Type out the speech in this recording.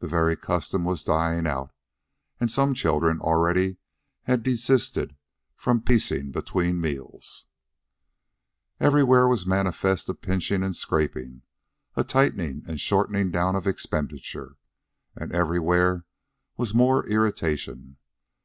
The very custom was dying out, and some children already had desisted from piecing between meals. Everywhere was manifest a pinching and scraping, a tightning and shortening down of expenditure. And everywhere was more irritation.